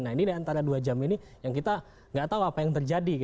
nah ini antara dua jam ini yang kita nggak tahu apa yang terjadi